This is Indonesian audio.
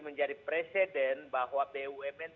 menjadi presiden bahwa bumn